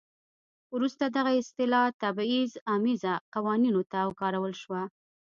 وروسته دغه اصطلاح تبعیض امیزه قوانینو ته وکارول شوه.